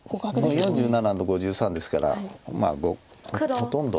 ４７と５３ですからまあほとんど。